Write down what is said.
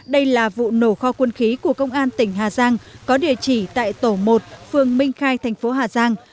đây là vụ nổ kho quân khí của công an tỉnh hà giang có địa chỉ tại tổ một phường minh khai thành phố hà giang